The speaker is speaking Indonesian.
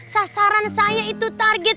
sasaran saya itu target